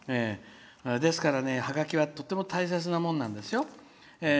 ですからね、ハガキはとても大切なもんなんですよ。